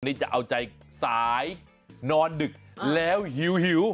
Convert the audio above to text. นี่จะเอาใจสายนอนดึกแล้วหิว